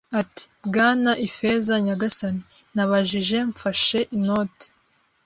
Ati: “Bwana Ifeza, nyagasani? ” Nabajije, mfashe inoti.